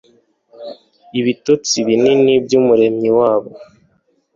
ibitotsi binini byumuremyi wabo